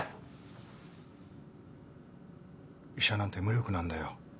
医者なんて無力なんだよ。